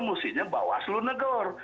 mestinya bawaslu negur